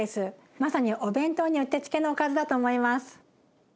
まさにお弁当にうってつけのおかずだと思います。